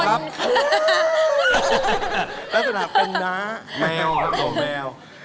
ลักษณะเป็นน้าแมวครับผมแมว